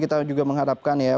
kita juga mengharapkan ya